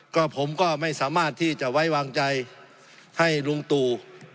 ก็ผมก็ไม่สามารถที่จะไว้วางใจให้ลุงตู่